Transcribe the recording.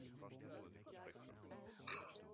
Computer games have also taught me valuable skills.